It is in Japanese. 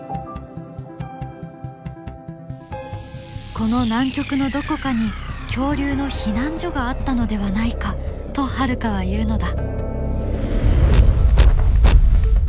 この南極のどこかに恐竜の避難所があったのではないかとハルカは言うのだ。